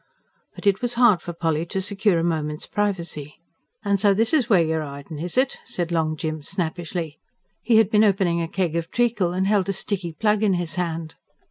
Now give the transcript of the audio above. But it was hard for Polly to secure a moment's privacy. "An' so this is w'ere you're 'idin', is it?" said Long Jim snappishly he had been opening a keg of treacle and held a sticky plug in his hand.